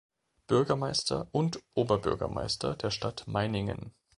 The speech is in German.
Bürgermeister und Oberbürgermeister der Stadt Meiningen.